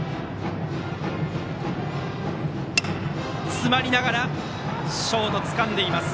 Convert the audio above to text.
詰まりながらショートつかんでいます。